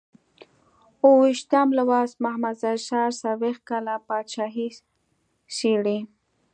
اوو ویشتم لوست محمد ظاهر شاه څلویښت کاله پاچاهي څېړي.